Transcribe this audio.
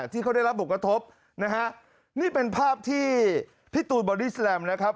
ที่เขาได้รับผลกระทบนะฮะนี่เป็นภาพที่พี่ตูนบอดี้แลมนะครับ